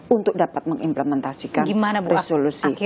untuk dapat mengimplementasikan resolusi